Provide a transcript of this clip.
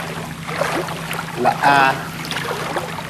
Lahaa.